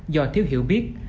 do thiếu hiểu biết